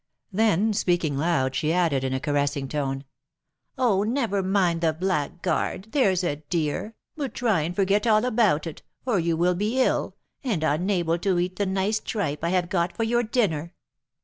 Then speaking loud, she added, in a caressing tone, "Oh, never mind the blackguard, there's a dear, but try and forget all about it, or you will be ill, and unable to eat the nice tripe I have got for your dinner."